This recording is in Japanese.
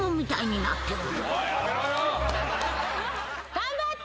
頑張って。